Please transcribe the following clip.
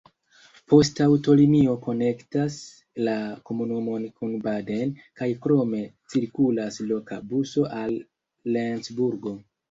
Poŝtaŭtolinio konektas la komunumon kun Baden, kaj krome cirkulas loka buso al Lencburgo.